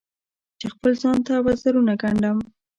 چې خپل ځان ته وزرونه ګنډم